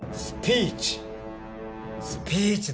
スピーチ！